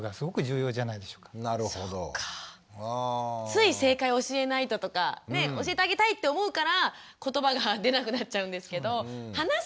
つい正解を教えないととか教えてあげたいって思うから言葉が出なくなっちゃうんですけど